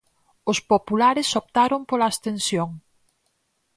Os populares optaron pola abstención.